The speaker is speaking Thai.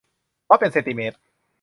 วัดเป็นเซนติเมตร